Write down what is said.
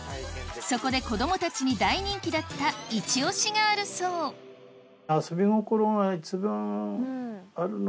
そこで子供たちに大人気だったイチ推しがあるそう昔からの。